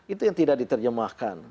itu yang tidak diterjemahkan